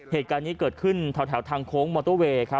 เหตุการณ์นี้เกิดขึ้นแถวทางโค้งมอเตอร์เวย์